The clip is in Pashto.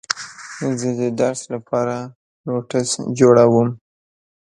زه د درس لپاره نوټس جوړوم.